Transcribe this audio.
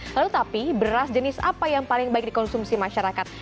lalu tapi beras jenis apa yang paling baik dikonsumsi masyarakat